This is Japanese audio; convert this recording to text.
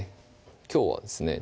きょうはですね